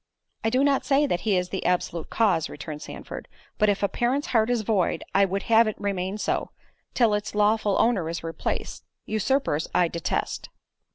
"I do not say that he is the absolute cause," returned Sandford; "but if a parent's heart is void, I would have it remain so, till its lawful owner is replaced—usurpers I detest."